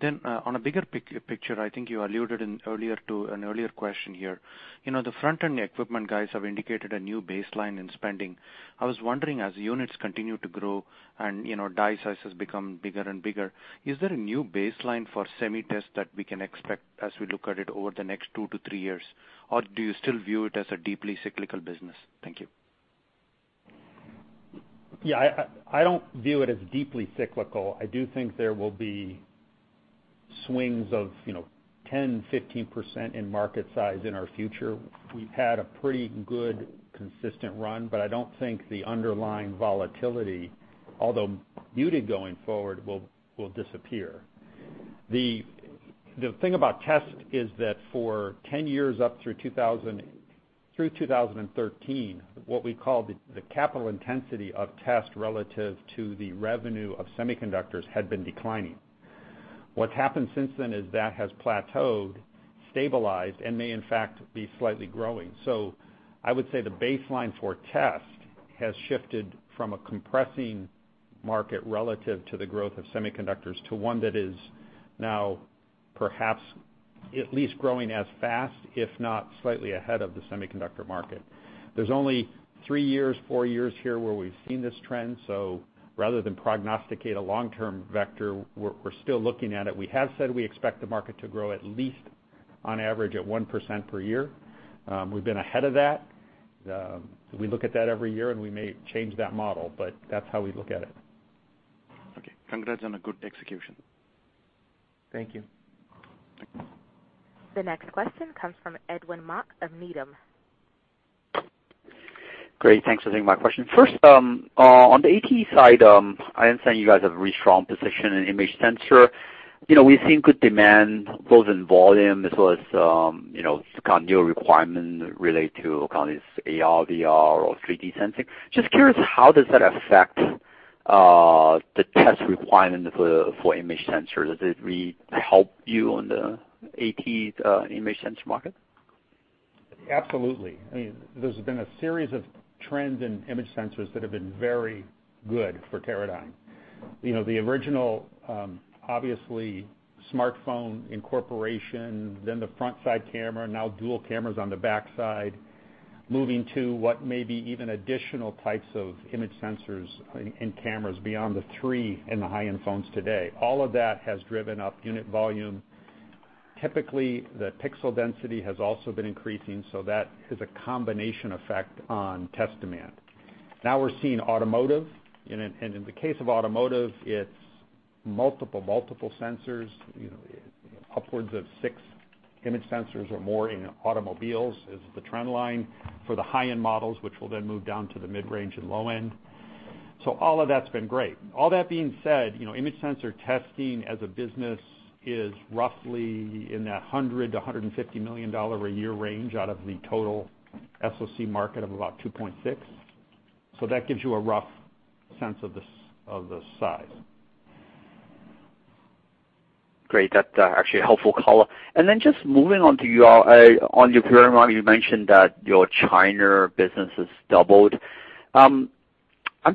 On a bigger picture, I think you alluded in earlier to an earlier question here. The front-end equipment guys have indicated a new baseline in spending. I was wondering, as units continue to grow and die sizes become bigger and bigger, is there a new baseline for SemiTest that we can expect as we look at it over the next two to three years? Do you still view it as a deeply cyclical business? Thank you. Yeah, I don't view it as deeply cyclical. I do think there will be swings of 10%, 15% in market size in our future. We've had a pretty good, consistent run, I don't think the underlying volatility, although muted going forward, will disappear. The thing about test is that for 10 years up through 2013, what we call the capital intensity of test relative to the revenue of semiconductors had been declining. What's happened since then is that has plateaued, stabilized, and may in fact be slightly growing. I would say the baseline for test has shifted from a compressing market relative to the growth of semiconductors to one that is now perhaps at least growing as fast, if not slightly ahead of the semiconductor market. There's only three years, four years here where we've seen this trend, rather than prognosticate a long-term vector, we're still looking at it. We have said we expect the market to grow at least on average at 1% per year. We've been ahead of that. We look at that every year and we may change that model, but that's how we look at it. Okay. Congrats on a good execution. Thank you. The next question comes from Edwin Mok of Needham. Great. Thanks for taking my question. First, on the AT side, I understand you guys have a really strong position in image sensor. We've seen good demand both in volume as well as, kind of new requirement related to kind of this AR, VR, or 3D sensing. Just curious, how does that affect the test requirement for image sensor? Does it really help you on the AT image sensor market? Absolutely. I mean, there's been a series of trends in image sensors that have been very good for Teradyne. The original, obviously smartphone incorporation, then the frontside camera, now dual cameras on the backside, moving to what may be even additional types of image sensors in cameras beyond the three in the high-end phones today. All of that has driven up unit volume. Typically, the pixel density has also been increasing, so that is a combination effect on test demand. Now we're seeing automotive, and in the case of automotive, it's multiple sensors, upwards of six image sensors or more in automobiles is the trend line for the high-end models, which will then move down to the mid-range and low end. All of that's been great. All that being said, image sensor testing as a business is roughly in that $100 million-$150 million a year range out of the total SoC market of about $2.6 billion. That gives you a rough sense of the size. Great. That's actually a helpful call-out. Just moving on to your current model, you mentioned that your China business has doubled. I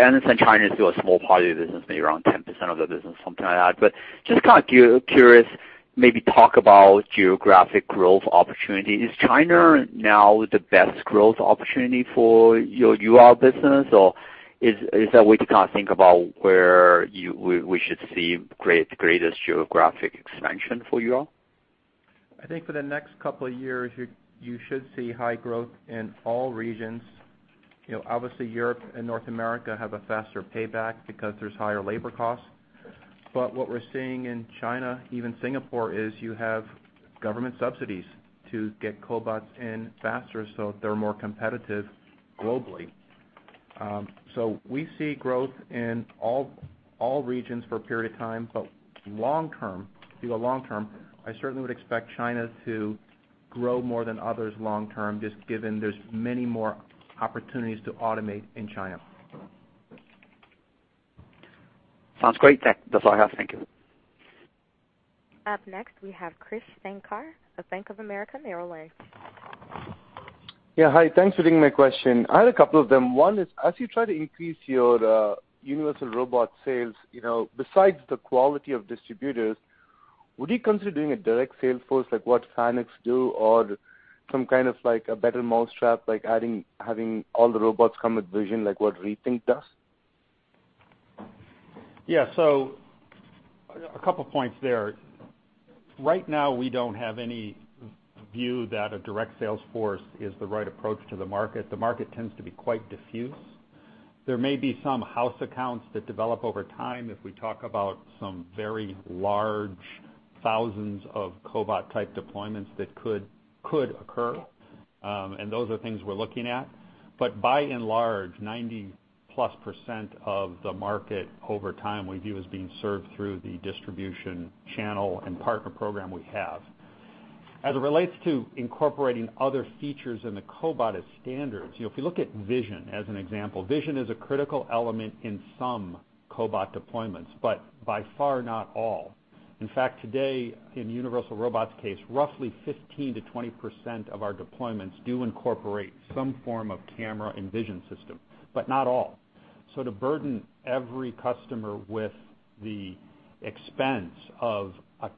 understand China is still a small part of your business, maybe around 10% of the business, something like that. Just kind of curious, maybe talk about geographic growth opportunity. Is China now the best growth opportunity for your UR business? Or is there a way to kind of think about where we should see greatest geographic expansion for you all? I think for the next couple of years, you should see high growth in all regions. Obviously, Europe and North America have a faster payback because there's higher labor costs. What we're seeing in China, even Singapore, is you have government subsidies to get cobots in faster, so they're more competitive globally. We see growth in all regions for a period of time, but long term, if you go long term, I certainly would expect China to grow more than others long term, just given there's many more opportunities to automate in China. Sounds great. That's all I have. Thank you. Up next, we have Krish Sankar of Bank of America Merrill Lynch. Hi. Thanks for taking my question. I have a couple of them. One is, as you try to increase your Universal Robots sales, besides the quality of distributors, would you consider doing a direct sales force like what FANUC do or some kind of like a better mousetrap, like having all the robots come with vision like what Rethink Robotics does? A couple of points there. Right now, we don't have any view that a direct sales force is the right approach to the market. The market tends to be quite diffuse. There may be some house accounts that develop over time if we talk about some very large thousands of cobot-type deployments that could occur, and those are things we're looking at. By and large, 90-plus% of the market over time we view as being served through the distribution channel and partner program we have. As it relates to incorporating other features in the cobot as standards, if you look at vision as an example, vision is a critical element in some cobot deployments, but by far not all. In fact, today, in Universal Robots' case, roughly 15%-20% of our deployments do incorporate some form of camera and vision system, but not all. To burden every customer with the expense of a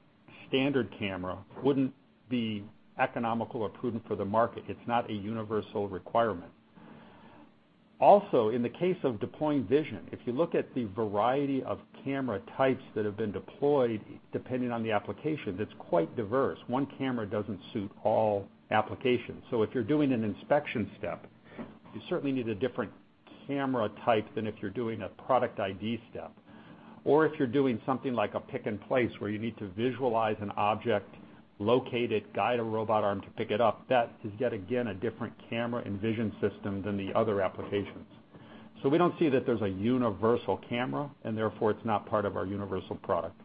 standard camera wouldn't be economical or prudent for the market. It's not a universal requirement. In the case of deploying vision, if you look at the variety of camera types that have been deployed, depending on the application, that's quite diverse. One camera doesn't suit all applications. If you're doing an inspection step, you certainly need a different camera type than if you're doing a product ID step. If you're doing something like a pick and place where you need to visualize an object, locate it, guide a robot arm to pick it up, that is yet again a different camera and vision system than the other applications. We don't see that there's a universal camera, and therefore it's not part of our universal product.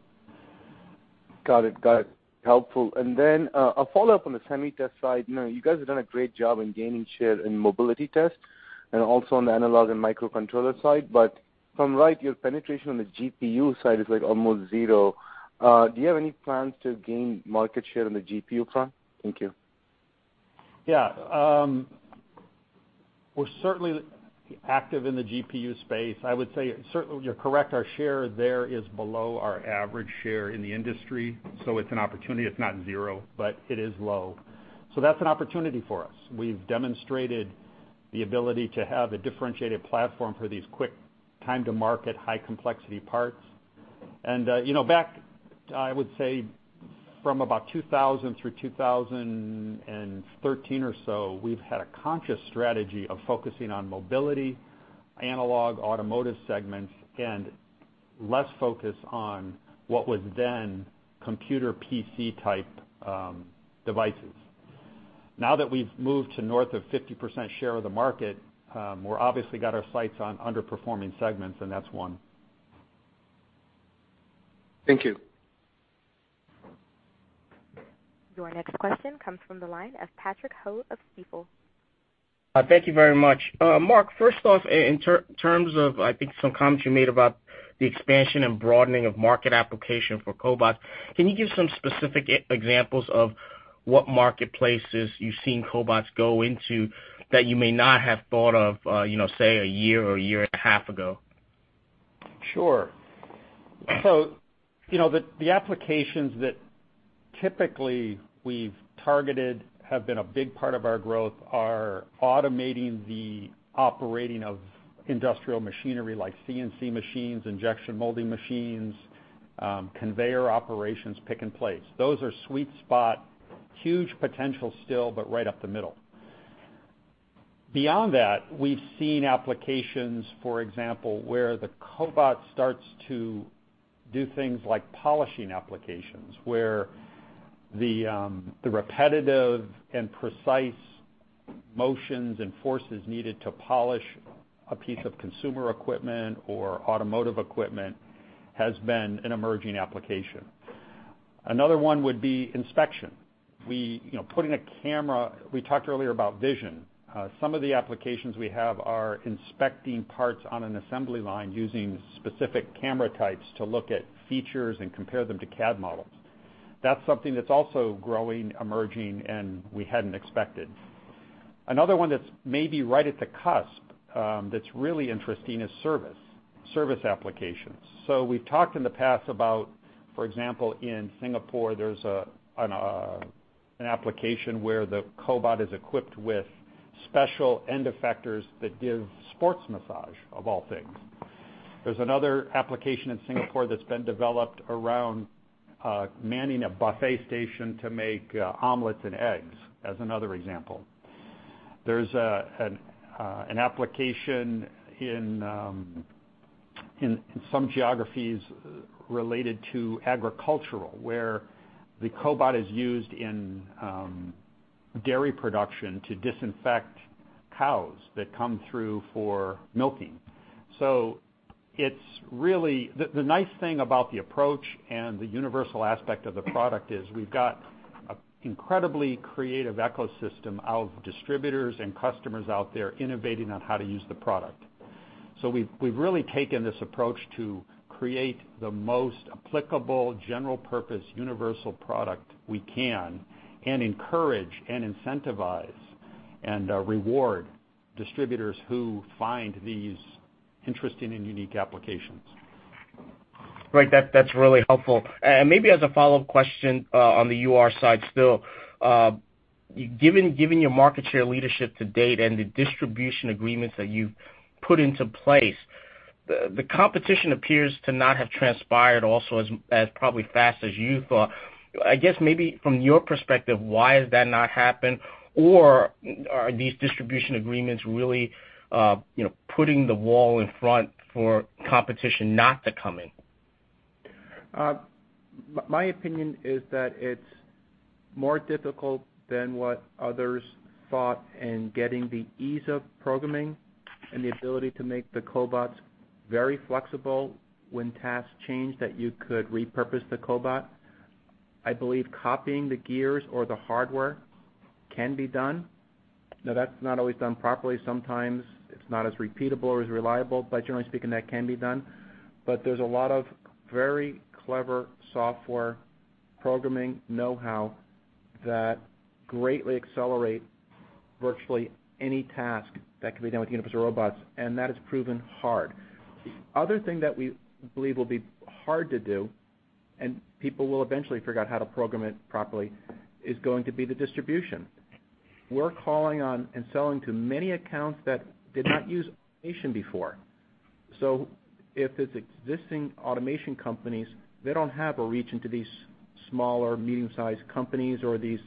Got it. Helpful. Then a follow-up on the semi test side. You guys have done a great job in gaining share in mobility test and also on the analog and microcontroller side, but if I'm right, your penetration on the GPU side is almost zero. Do you have any plans to gain market share on the GPU front? Thank you. Yeah. We're certainly active in the GPU space. I would say certainly you're correct, our share there is below our average share in the industry, it's an opportunity. It's not zero, but it is low. That's an opportunity for us. We've demonstrated the ability to have a differentiated platform for these quick time to market, high complexity parts. Back, I would say from about 2000 through 2013 or so, we've had a conscious strategy of focusing on mobility, analog, automotive segments, and less focus on what was then computer PC type devices. Now that we've moved to north of 50% share of the market, we're obviously got our sights on underperforming segments, and that's one. Thank you. Your next question comes from the line of Patrick Ho of Stifel. Thank you very much. Mark, first off, in terms of, I think, some comments you made about the expansion and broadening of market application for cobots, can you give some specific examples of what marketplaces you've seen cobots go into that you may not have thought of say, a year or a year and a half ago? Sure. The applications that typically we've targeted have been a big part of our growth are automating the operating of industrial machinery like CNC machines, injection molding machines, conveyor operations, pick and place. Those are sweet spot, huge potential still, but right up the middle. Beyond that, we've seen applications, for example, where the cobot starts to do things like polishing applications, where the repetitive and precise motions and forces needed to polish a piece of consumer equipment or automotive equipment has been an emerging application. Another one would be inspection. We talked earlier about vision. Some of the applications we have are inspecting parts on an assembly line using specific camera types to look at features and compare them to CAD models. That's something that's also growing, emerging, and we hadn't expected. Another one that's maybe right at the cusp, that's really interesting is service applications. We've talked in the past about, for example, in Singapore, there's an application where the cobot is equipped with special end effectors that give sports massage, of all things. There's another application in Singapore that's been developed around manning a buffet station to make omelets and eggs as another example. There's an application in some geographies related to agricultural, where the cobot is used in dairy production to disinfect cows that come through for milking. The nice thing about the approach and the universal aspect of the product is we've got an incredibly creative ecosystem of distributors and customers out there innovating on how to use the product. We've really taken this approach to create the most applicable general purpose universal product we can and encourage and incentivize and reward distributors who find these interesting and unique applications. Right. That's really helpful. Maybe as a follow-up question on the UR side still, given your market share leadership to date and the distribution agreements that you've put into place, the competition appears to not have transpired also as probably fast as you thought. I guess maybe from your perspective, why has that not happened? Or are these distribution agreements really putting the wall in front for competition not to come in? My opinion is that it's more difficult than what others thought in getting the ease of programming and the ability to make the cobots very flexible when tasks change, that you could repurpose the cobot. I believe copying the gears or the hardware can be done. Now, that's not always done properly. Sometimes it's not as repeatable or as reliable, but generally speaking, that can be done. There's a lot of very clever software programming know-how that greatly accelerate virtually any task that can be done with Universal Robots, and that has proven hard. Other thing that we believe will be hard to do, and people will eventually figure out how to program it properly, is going to be the distribution. We're calling on and selling to many accounts that did not use automation before. If it's existing automation companies, they don't have a reach into these small or medium sized companies or these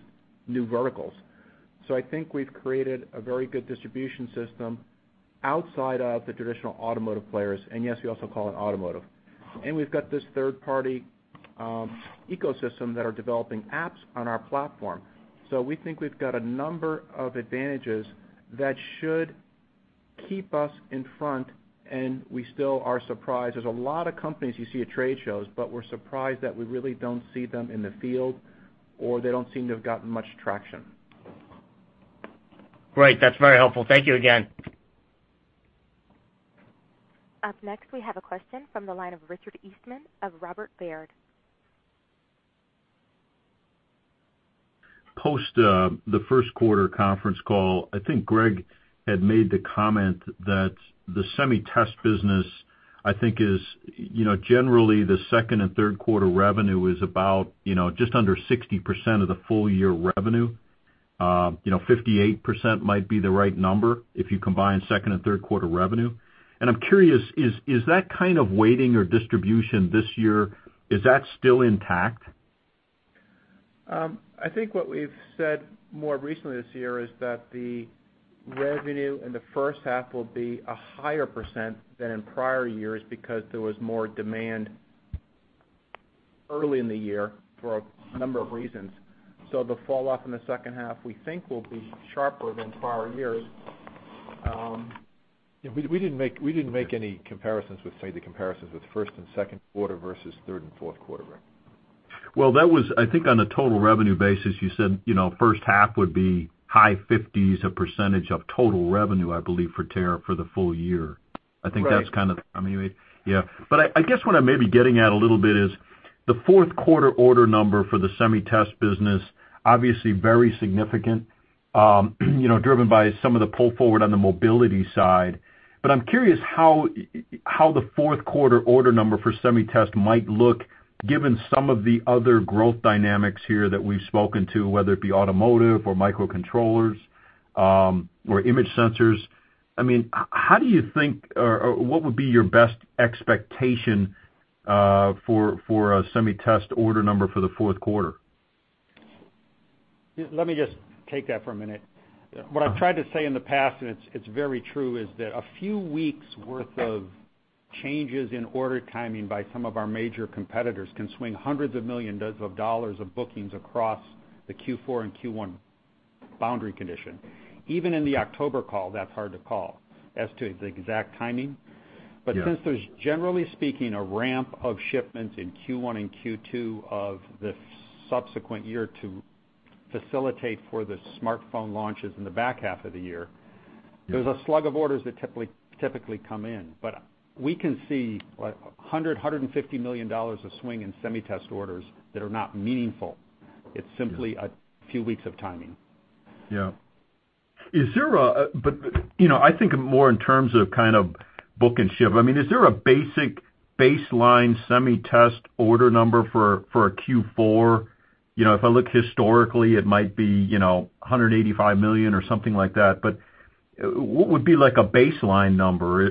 new verticals. I think we've created a very good distribution system outside of the traditional automotive players. Yes, we also call it automotive. We've got this third party ecosystem that are developing apps on our platform. We think we've got a number of advantages that should Keep us in front, and we still are surprised. There's a lot of companies you see at trade shows, but we're surprised that we really don't see them in the field, or they don't seem to have gotten much traction. Great. That's very helpful. Thank you again. Up next, we have a question from the line of Richard Eastman of Robert Baird. Post the first quarter conference call, I think Greg had made the comment that the semi test business, I think is generally the second and third quarter revenue is about just under 60% of the full year revenue. 58% might be the right number if you combine second and third quarter revenue. I'm curious, is that kind of weighting or distribution this year, is that still intact? I think what we've said more recently this year is that the revenue in the first half will be a higher % than in prior years because there was more demand early in the year for a number of reasons. The fall off in the second half we think will be sharper than prior years. We didn't make any comparisons with, say, the comparisons with first and second quarter versus third and fourth quarter. That was, I think on a total revenue basis, you said first half would be high 50s of % of total revenue, I believe, for Ter for the full year. Right. I think that's kind of Yeah. I guess what I may be getting at a little bit is the fourth quarter order number for the semi test business, obviously very significant, driven by some of the pull forward on the mobility side. I'm curious how the fourth quarter order number for semi test might look given some of the other growth dynamics here that we've spoken to, whether it be automotive or microcontrollers, or image sensors. How do you think, or what would be your best expectation for a semi test order number for the fourth quarter? Let me just take that for a minute. What I've tried to say in the past, and it's very true, is that a few weeks worth of changes in order timing by some of our major competitors can swing hundreds of millions of dollars of bookings across the Q4 and Q1 boundary condition. Even in the October call, that's hard to call as to the exact timing. Yeah. Since there's, generally speaking, a ramp of shipments in Q1 and Q2 of the subsequent year to facilitate for the smartphone launches in the back half of the year, there's a slug of orders that typically come in. We can see $100 million-$150 million of swing in semi test orders that are not meaningful. It's simply a few weeks of timing. Yeah. I think more in terms of book and ship. Is there a basic baseline semi test order number for a Q4? If I look historically, it might be, $185 million or something like that. What would be like a baseline number?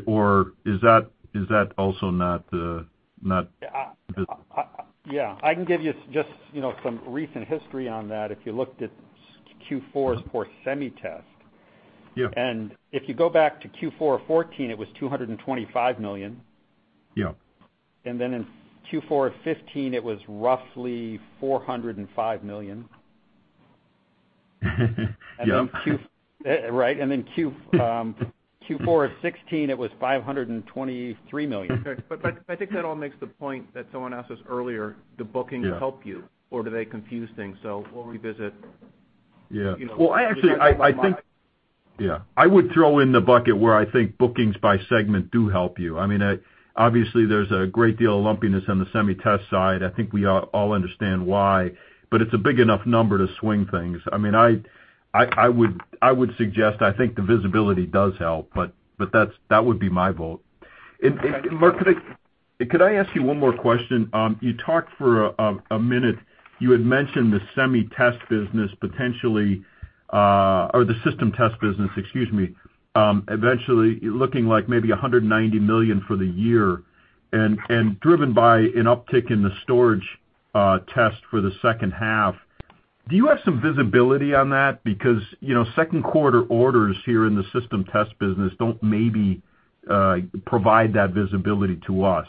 Yeah. I can give you just some recent history on that. If you looked at Q4 for semi test. Yeah. If you go back to Q4 '14, it was $225 million. Yeah. In Q4 '15, it was roughly $405 million. Yeah. Right. Q4 '16, it was $523 million. I think that all makes the point that someone asked us earlier, do bookings help you or do they confuse things? We'll revisit. Actually, I would throw in the bucket where I think bookings by segment do help you. Obviously, there's a great deal of lumpiness on the semi test side. I think we all understand why, but it's a big enough number to swing things. I would suggest, I think the visibility does help, but that would be my vote. Mark, could I ask you one more question? You talked for a minute, you had mentioned the semi test business potentially, or the system test business, excuse me, eventually looking like maybe $190 million for the year and driven by an uptick in the storage test for the second half. Do you have some visibility on that? Second quarter orders here in the system test business don't maybe provide that visibility to us.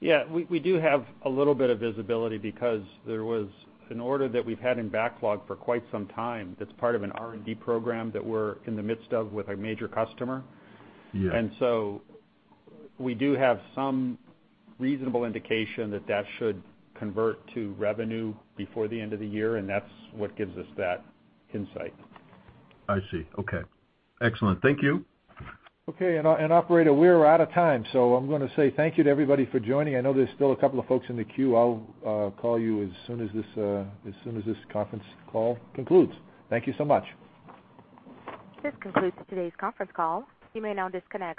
We do have a little bit of visibility because there was an order that we've had in backlog for quite some time that's part of an R&D program that we're in the midst of with a major customer. Yeah. We do have some reasonable indication that that should convert to revenue before the end of the year, and that's what gives us that insight. I see. Okay. Excellent. Thank you. Operator, we are out of time. I'm going to say thank you to everybody for joining. I know there's still a couple of folks in the queue. I'll call you as soon as this conference call concludes. Thank you so much. This concludes today's conference call. You may now disconnect.